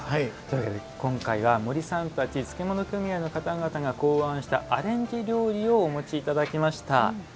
今回は森さんたち漬物組合の方が考案したアレンジ料理をお持ちいただきました。